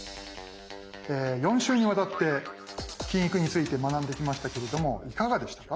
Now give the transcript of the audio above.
４週にわたって「金育」について学んできましたけれどもいかがでしたか？